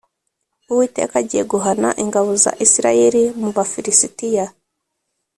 uwiteka agiye guhāna ingabo za isirayeli mu bafilisitiya”